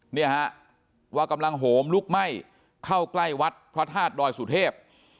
เนี่ยฮะว่ากำลังโหมลุกไหม้เข้าใกล้วัดพระธาตุดอยสุเทพ